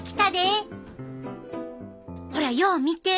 ほらよう見て！